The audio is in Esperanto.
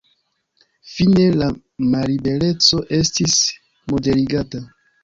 Fine la mallibereco estis moderigata.